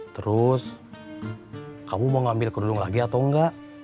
terus kamu mau ngambil kerudung lagi atau nggak